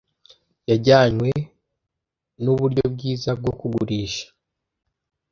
Yajyanywe nuburyo bwiza bwo kugurisha.